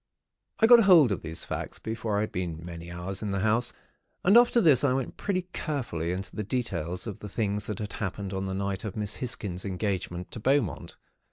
"I got hold of these facts, before I had been many hours in the house; and after this I went pretty carefully into the details of the things that happened on the night of Miss Hisgins' engagement to Beaumont.